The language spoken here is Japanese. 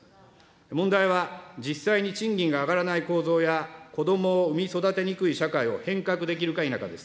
問題は、実際に賃金が上がらない構造や、子どもを産み育てにくい社会を変革できるか否かです。